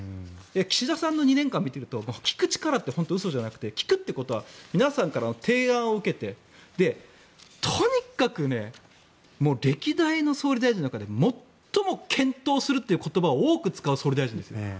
岸田さんの２年間を見ていると聞く力って嘘じゃなくて聞くっていうことは皆さんからの提案を受けてとにかく歴代の総理大臣の中で最も検討するという言葉を多く使う総理大臣ですよ。